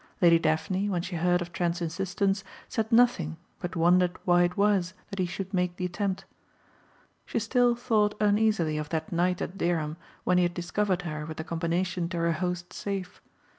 Lady Daphne when she heard of Trent's insistence said nothing but wondered why it was that he should make the attempt. She still thought uneasily of that night at Dereham when he had discovered her with the combination to her host's safe.